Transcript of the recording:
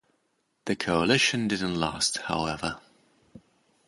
The coalition didn't last, however.